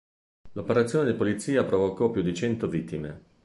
L'operazione di polizia provocò più di cento vittime.